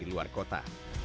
di luar kota